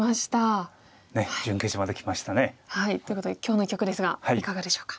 ということで今日の一局ですがいかがでしょうか？